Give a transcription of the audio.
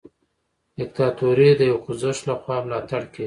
دیکتاتوري د یو خوځښت لخوا ملاتړ کیږي.